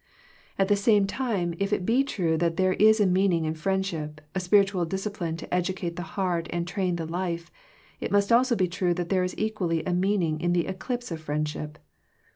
At the same time, if it be true that there is a meaning in friendship, a spirit* ual discipline to educate the heart and train the life, it must also be true that there is equally a meaning in the eclipse of friend* ship.